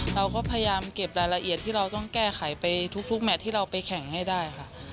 เราก็พยายามเก็บรายละเอียดที่เราต้องแก้ไขไปทุกแมทที่เราไปแข่งให้ได้ค่ะ